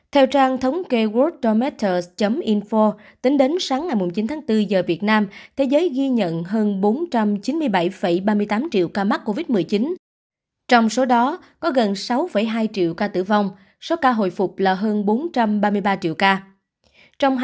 trong hai mươi bốn giờ qua toàn thế giới có gần sáu hai triệu ca tử vong